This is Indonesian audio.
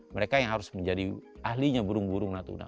mereka yang harus menjadi ahlinya burung burung natuna